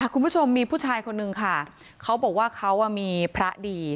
คุณผู้ชมมีผู้ชายคนนึงค่ะเขาบอกว่าเขามีพระดี